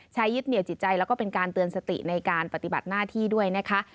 ยึดเหนียวจิตใจแล้วก็เป็นการเตือนสติในการปฏิบัติหน้าที่ด้วยนะคะ